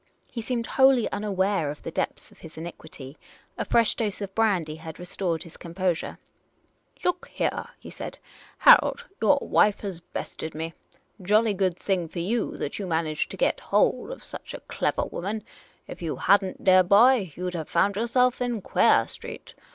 He seemed wholly unaware of the depths of his iniquity; a fresh dose of brandy had restored his composure. " Look heah," he said, " Harold, your wife has bested me ! Jolly good thing for you that you managed to get hold of such a clevah wo Thj Unprofessional Detective man! If you had n't, deah boy, you 'd have found yourself in Queeah Street